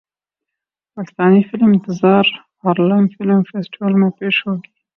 Pakistani film انتظار Harlem film festival میں پیش ہوگی